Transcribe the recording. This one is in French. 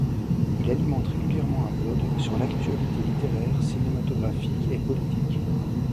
Il alimente régulièrement un blog sur l’actualité littéraire, cinématographique et politique.